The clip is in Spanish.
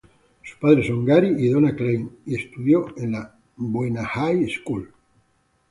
Sus padres son Gary y Donna Klein, y estudio en el Buena High School.